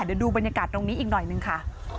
เดี๋ยวดูบรรยากาศตรงนี้อีกหน่อยนึงค่ะ